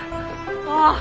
ああ。